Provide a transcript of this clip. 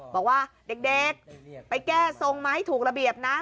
บอกว่าเด็กไปแก้ทรงไหมถูกระเบียบนะ